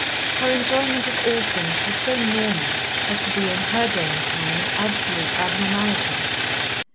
Her enjoyment of all things was so normal as to be in her day and time an absolute abnormality.